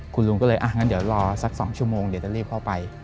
คุณลุงก็เลยอ่ะงั้นเดี๋ยวรอสัก๒ชั่วโมงเดี๋ยวจะรีบเข้าไป